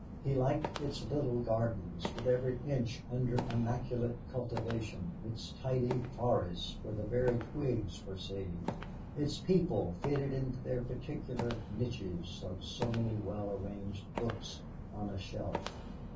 He liked its little gardens with every inch under immaculate cultivation its tidy forests where the very twigs were saved its people fitted into their particular niches like so many well arranged books on a shelf.